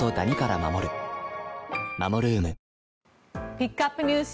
ピックアップＮＥＷＳ